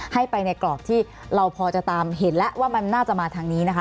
ให้ไปในกรอบที่เราพอจะตามเห็นแล้วว่ามันน่าจะมาทางนี้นะคะ